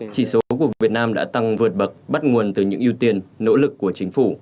chỉ số của việt nam đã tăng vượt bậc bắt nguồn từ những ưu tiên nỗ lực của chính phủ